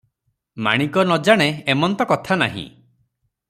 ମାଣିକ ନ ଜାଣେ, ଏମନ୍ତ କଥା ନାହିଁ ।